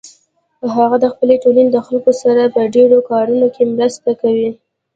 هغه د خپلې ټولنې د خلکو سره په ډیرو کارونو کې مرسته کوي